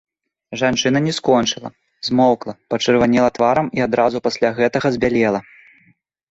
Жанчына не скончыла, змоўкла, пачырванела тварам і адразу пасля гэтага збялела.